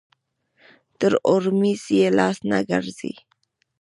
تر اورمېږ يې لاس نه راګرځي.